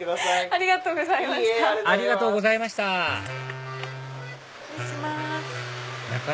ありがとうございました失礼します。